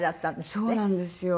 そうなんですよ。